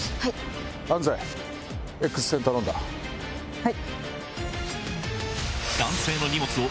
はい。